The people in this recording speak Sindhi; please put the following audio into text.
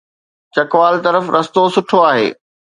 چکوال طرف رستو سٺو آهي.